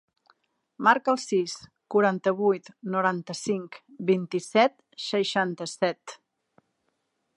Marca el sis, quaranta-vuit, noranta-cinc, vint-i-set, seixanta-set.